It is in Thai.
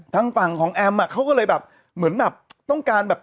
ทางฝั่งของแอมอ่ะเขาก็เลยแบบเหมือนแบบต้องการแบบ